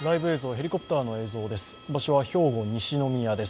ヘリコプターの映像です。